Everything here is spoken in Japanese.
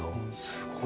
すごい。